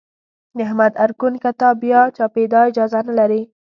د محمد ارکون کتاب بیا چاپېدا اجازه نه لري.